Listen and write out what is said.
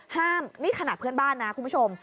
ห้ามนี่ขนาดเพื่อนบ้านนะคุณผู้ชม